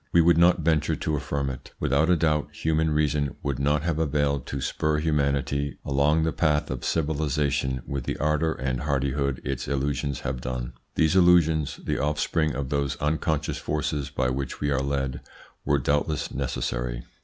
We would not venture to affirm it. Without a doubt human reason would not have availed to spur humanity along the path of civilisation with the ardour and hardihood its illusions have done. These illusions, the offspring of those unconscious forces by which we are led, were doubtless necessary.